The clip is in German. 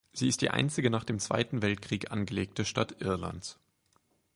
Sie ist die einzige nach dem Zweiten Weltkrieg angelegte Stadt Irlands.